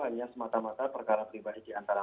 hanya semata mata perkara pribadi di antara